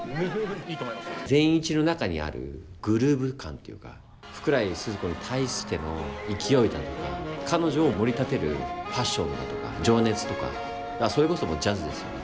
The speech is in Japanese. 善一の中にあるグルーヴ感というか福来スズ子に対しての勢いだとか彼女をもり立てるパッションだとか情熱とかそれこそジャズですよね